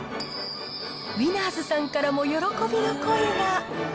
ウィナーズさんからも喜びの声が。